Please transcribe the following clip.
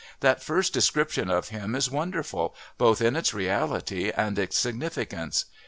That first description of him is wonderful, both in its reality and its significance.